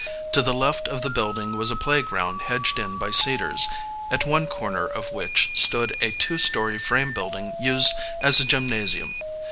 To the left of the building was a playground hedged in by cedars, at one corner of which stood a two story frame building used as a gymnasium.